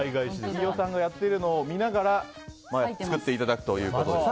飯尾さんがやっているのを見ながら作っていただくということです。